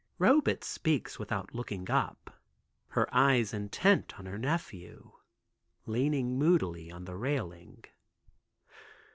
Robet speaks without looking up, her eyes intent on her nephew, leaning moodily on the railing.